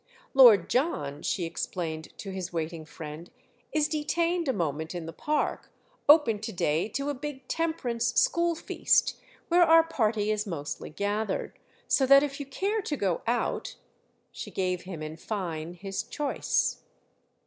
Lord John," she explained to his waiting friend, "is detained a moment in the park, open to day to a big Temperance school feast, where our party is mostly gathered; so that if you care to go out—!" She gave him in fine his choice.